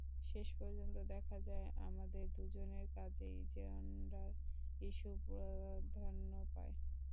শেষ পর্যন্ত দেখা যায় আমাদের দুজনের কাজেই জেন্ডার ইস্যু প্রাধান্য পায়।